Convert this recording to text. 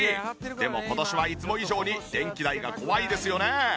でも今年はいつも以上に電気代が怖いですよね。